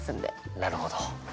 なるほど。